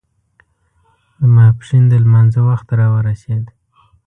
د ماسپښين د لمانځه وخت را ورسېد.